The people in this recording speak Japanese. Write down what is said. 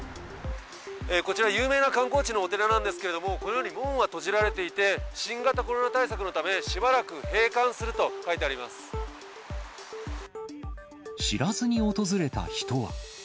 こちら、有名な観光地のお寺なんですけれども、このように門は閉じられていて、新型コロナ対策のため、しばらく知らずに訪れた人は。